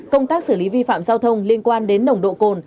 công tác xử lý vi phạm giao thông liên quan đến nồng độ cồn